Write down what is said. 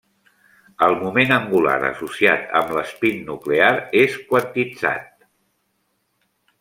El moment angular associat amb l'espín nuclear és quantitzat.